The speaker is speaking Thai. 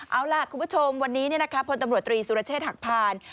เอาล่ะคุณผู้ชมวันนี้พลตำรวจตรีสุรเชษฐหักพาน